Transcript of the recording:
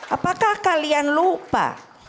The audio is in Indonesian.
apakah kalian lupa